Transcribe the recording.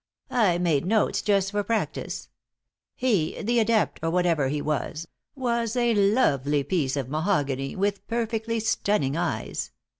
"I made notes, just for practice. He the adept, or whatever he was was a lovely piece of mahogany, with perfectly stunning eyes.